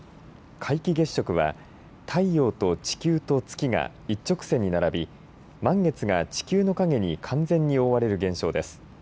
皆既月食は太陽と地球と月が一直線に並び満月が地球の影に完全に覆われる現象です。